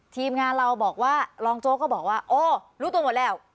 ทีมงานเราบอกว่ารองโจ๊กก็บอกว่าโอ้รู้ตัวหมดแล้ว